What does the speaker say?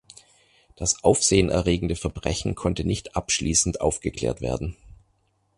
Das aufsehenerregende Verbrechen konnte nicht abschließend aufgeklärt werden.